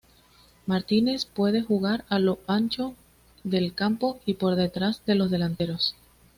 Martínez puede jugar a lo ancho del campo y por detrás de los delanteros.